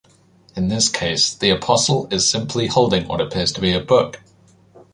In this case the apostle is simply holding what appears to be a book.